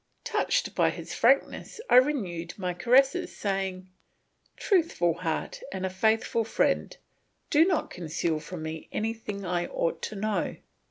Touched by his frankness I renewed my caresses, saying, "Truthful heart and faithful friend, do not conceal from me anything I ought to know.